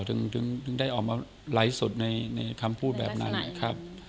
ถึงได้ออกมาไลฟ์สดในคำพูดแบบนั้นนะครับ